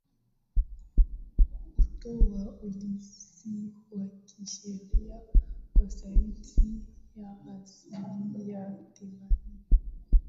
hutoa ulinzi wa kisheria kwa zaidi ya asilimia themanini